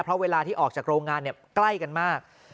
เพราะเวลาที่ออกจากโรงงานใกล้กันมาก